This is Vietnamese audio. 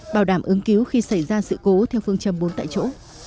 bảo đảm ứng cứu khi xảy ra sự cố theo phương châm bốn tại chỗ